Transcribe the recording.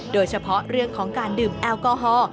โดยเฉพาะเรื่องของการดื่มแอลกอฮอล์